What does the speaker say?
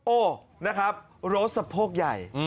โอ้นะครับรถสะโพกใหญ่